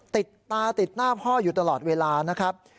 ติดตาติดหน้าพ่ออยู่ตลอดเวลานะครับ